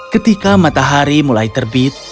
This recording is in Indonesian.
ketika matahari mulai terbit